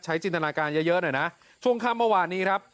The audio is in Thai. จินตนาการเยอะเยอะหน่อยนะช่วงค่ำเมื่อวานนี้ครับ